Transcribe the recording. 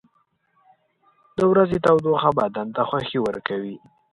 • د ورځې تودوخه بدن ته خوښي ورکوي.